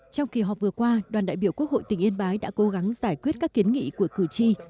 trong kỳ họp vừa qua đoàn đại biểu quốc hội tỉnh yên bái đã cố gắng giải quyết các kiến nghị của cử tri